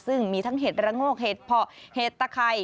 ซึ่งมีทั้งเห็ดระโงกเห็ดเพาะเห็ดตะไข่